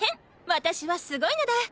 私はすごいのだ。